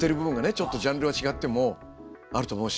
ちょっとジャンルは違ってもあると思うし。